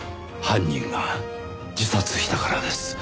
犯人が自殺したからです。